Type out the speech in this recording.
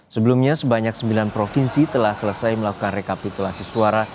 sebelumnya sebanyak sembilan provinsi telah selesai melakukan rekapitulasi suara